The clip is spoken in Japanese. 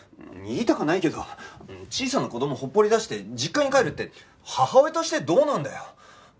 言いたかないけど小さな子供ほっぽり出して実家に帰るって母親としてどうなんだよ。